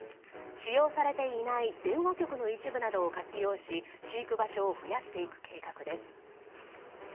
使用されていない電話局の一部などを活用し飼育場所を増やしていく計画です。